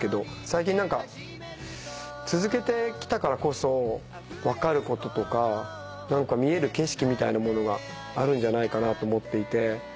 最近何か続けてきたからこそ分かることとか見える景色みたいなものがあるんじゃないかなと思っていて。